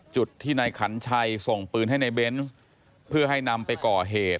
จุดที่นายขันชัยส่งปืนให้ในเบนส์เพื่อให้นำไปก่อเหตุ